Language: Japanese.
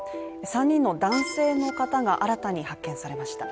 ３人の男性の方が新たに発見されました。